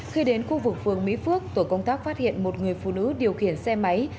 khi đến khu vực phường mỹ phước tổ công tác phát hiện một người phụ nữ điều khiển xe máy